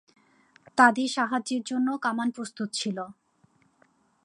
তাদের সাহায্যের জন্য কামান প্রস্তুত ছিল।